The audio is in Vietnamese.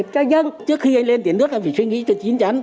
trước khi lên tiền nước thì phải suy nghĩ cho chính tránh